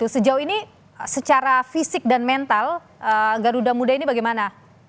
sejauh ini secara fisik dan mental garuda muda ini bagaimana